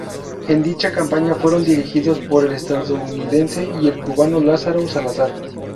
En dicha campaña fueron dirigidos por el estadounidense y el cubano Lázaro Salazar.